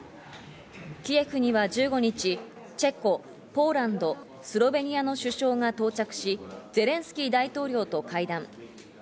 キエフには１５日、チェコ、ポーランド、スロベニアの首相が到着し、ゼレンスキー大統領と会談。